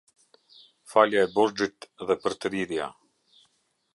Falja e borxhit dhe përtrirja.